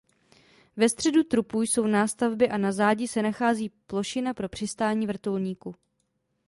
Ve středu trupu jsou nástavby a na zádi se nachází plošina pro přistání vrtulníku.